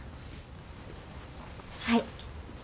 はい。